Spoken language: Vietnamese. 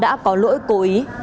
đắc lắc khởi tố đối tư